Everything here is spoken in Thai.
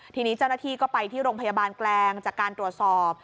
ทีนี้เจ้าหน้าที่ก็ไปที่โรงพยาบาลแกลงจากการตรวจสอบ